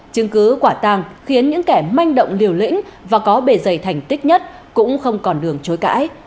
chứng cứ quả tàng khiến những kẻ manh động liều lĩnh và có bề dày thành tích nhất cũng không còn đường chối cãi